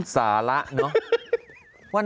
สาระเนาะ